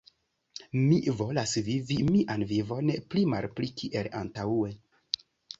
Mi volas vivi mian vivon pli-malpli kiel antaŭe.